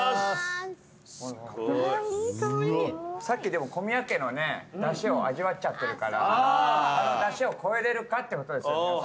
さっきでも小宮家のねだしを味わっちゃってるからあのだしを超えれるかってことですよね。